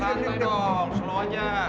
santai dong slow aja